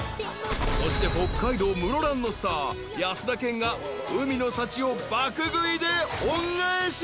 ［そして北海道室蘭のスター安田顕が海の幸を爆食いで恩返し］